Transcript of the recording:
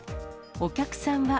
お客さんは。